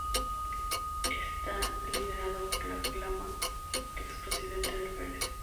Está liderado por Ian Khama, ex presidente del país.